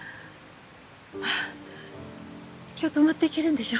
今日泊まっていけるんでしょ？